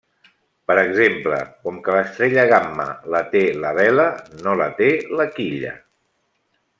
Per exemple, com que l'estrella Gamma la té la Vela, no la té la Quilla.